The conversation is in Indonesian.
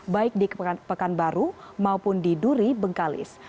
baik di pekanbaru maupun di duri bengkalis